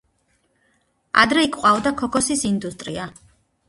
ადრე იქ ყვაოდა ქოქოსის ინდუსტრია.